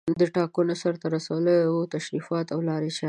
د ټاکنو د سرته رسولو تشریفات او لارې چارې